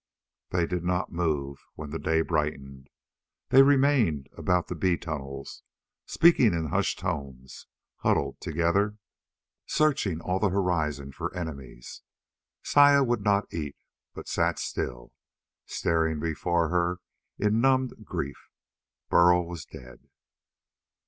They did not move when day brightened. They remained about the bee tunnels, speaking in hushed tones, huddled together, searching all the horizon for enemies. Saya would not eat, but sat still, staring before her in numbed grief. Burl was dead.